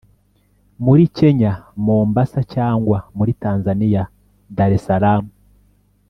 muri kenya (mombasa) cyangwa muli tanzaniya (dar es salaam)